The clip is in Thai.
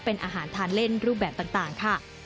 เป็นอาหารทานเล่นรูปแบบต่างค่ะ